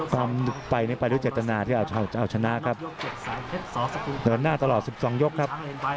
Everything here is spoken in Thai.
ความไปในปลายด้วยเจตนาที่เอาชนะครับเดินหน้าตลอด๑๒ยกครับ